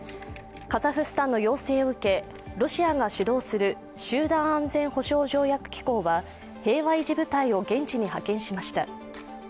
カザフスタンの要請を受け、ロシアが主導する集団安全保障条約機構は平和維持部隊を現地に派遣しました。